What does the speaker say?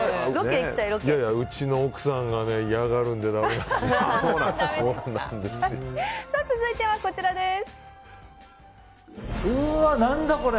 うちの奥さんが嫌がるんで続いてはこちらです。